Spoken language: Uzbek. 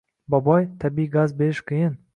Boboy, tabiiy gaz berish qiyin